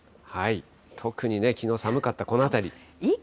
特に、きのう寒かったこの辺り。